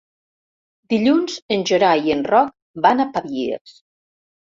Dilluns en Gerai i en Roc van a Pavies.